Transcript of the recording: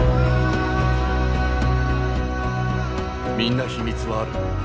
みんな秘密はある。